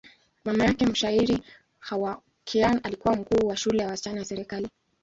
Mama yake, mshairi Khawar Kiani, alikuwa mkuu wa shule ya wasichana ya serikali.